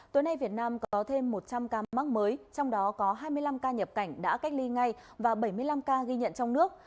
tối nay việt nam có thêm một trăm linh ca mắc mới trong đó có hai mươi năm ca nhập cảnh đã cách ly ngay và bảy mươi năm ca ghi nhận trong nước